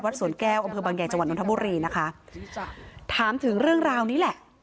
สวนแก้วอำเภอบางใหญ่จังหวัดนทบุรีนะคะถามถึงเรื่องราวนี้แหละ